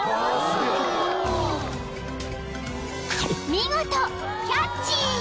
［見事キャッチ！］